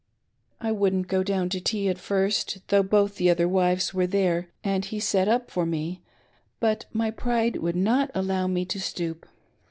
I wouldn't go down to tea at first, though both the other wives were there and he sent up for me, but my pride would not allow me to stoop.